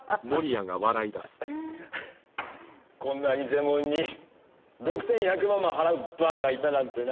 こんな偽物に６１００万も払う馬鹿がいたなんてな。